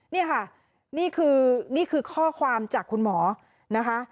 นี่ค่ะนี่คือนี่คือข้อความจากคุณหมอนะคะ